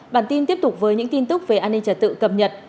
bản tin tiếp tục với những tin tức về an ninh trật tự cập nhật